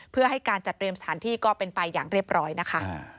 เพื่อให้การจัดเตรียมสถานที่ก็เป็นไปอย่างเรียบร้อยนะคะ